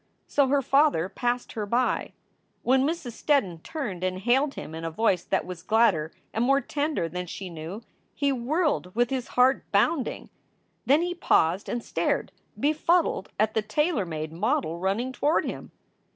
So her father passed her by. When Mrs. Steddon turned and hailed him in a voice that was gladder and more tender than she knew, he whirled with his heart bounding. Then he paused and stared r befuddled, at the tailor made model running toward him.